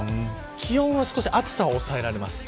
気温は、少し暑さは抑えられます。